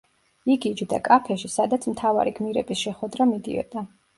იგი იჯდა კაფეში, სადაც მთავარი გმირების შეხვედრა მიდიოდა.